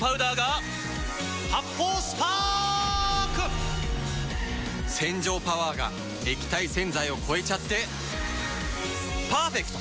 発泡スパーク‼洗浄パワーが液体洗剤を超えちゃってパーフェクト！